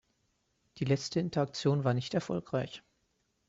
Die letzte Interaktion war nicht erfolgreich.